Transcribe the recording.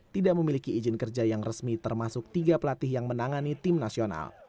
tidak memiliki izin kerja yang resmi termasuk tiga pelatih yang menangani tim nasional